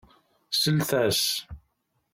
Slet-as!